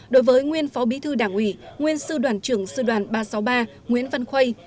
đối với nguyên phó bí thư đảng ủy nguyên sư đoàn trưởng sư đoàn ba trăm sáu mươi ba nguyễn văn khoay